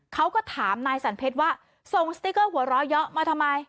เขาก็ถามนายสันเพชรว่าส่งสติ๊กเกอร์หัวเราะเยอะมาทำไม